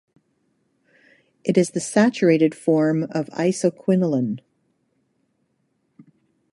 It is the saturated form of isoquinoline.